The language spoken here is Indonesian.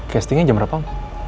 castingnya jam berapa om